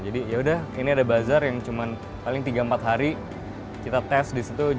jadi yaudah ini ada bazar yang cuma paling tiga empat hari kita test di situ